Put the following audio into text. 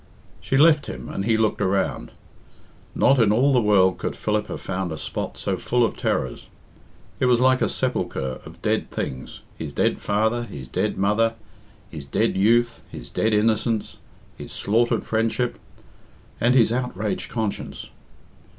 She left him, and he looked around. Not in all the world could Philip have found a spot so full of terrors. It was like a sepulchre of dead things his dead father, his dead mother, his dead youth, his dead innocence, his slaughtered friendship, and his outraged conscience.